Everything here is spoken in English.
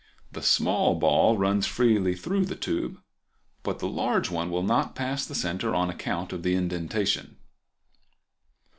The small ball runs freely through the tube, but the large one will not pass the center on account of the indentation.